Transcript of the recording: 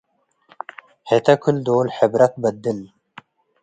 ህተ ክል-ዶል ሕብረ ትባድል።